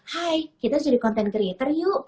hai kita jadi content creator yuk